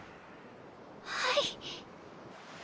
はい。